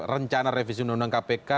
rencana revisi undang undang kpk